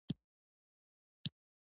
دا د قرآن کريم د اسرارو كونجي ده